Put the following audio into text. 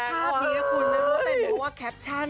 ภาพนี้คุณนึกว่าแคปชั่น